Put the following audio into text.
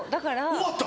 終わった。